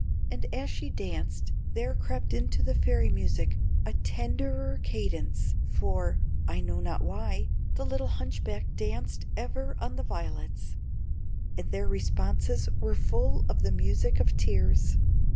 And as she danced, there crept into the fairy music a tenderer cadence, for (I know not why) the little hunchback danced ever on the violets, and their responses were full of the music of tears.